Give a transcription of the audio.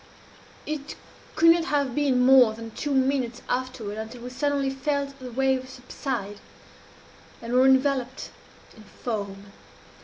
"It could not have been more than two minutes afterwards until we suddenly felt the waves subside, and were enveloped in foam.